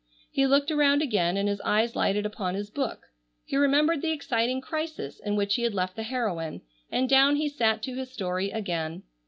He looked around again and his eyes lighted upon his book. He remembered the exciting crisis in which he had left the heroine and down he sat to his story again.